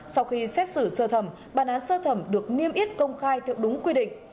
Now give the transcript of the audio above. sau khi xét xử sơ thẩm bản án sơ thẩm được niêm yết công khai theo đúng quy định